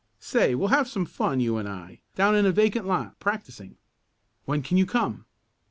Say, we'll have some fun, you and I, down in a vacant lot practicing. When can you come?"